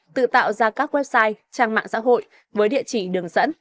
tự tạo ra các website trang mạng xã hội với địa chỉ đường dẫn